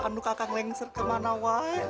aduh kakak lengser ke mana wai